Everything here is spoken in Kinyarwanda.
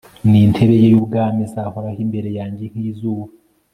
n'intebe ye y'ubwami izahoraho imbere yanjye nk'izuba